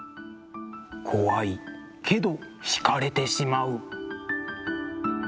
「怖い、けど惹かれてしまう」。